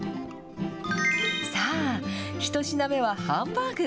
さあ、１品目はハンバーグ。